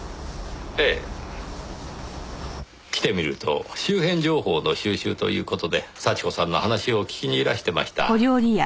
「ええ」来てみると周辺情報の収集という事で幸子さんの話を聞きにいらしてました。